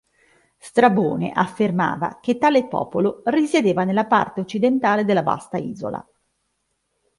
Strabone affermava che tale popolo risiedeva nella parte occidentale della vasta isola.